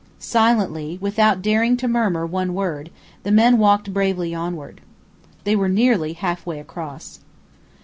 Silently, without daring to murmur one word, the men walked bravely onward. They were nearly half way across.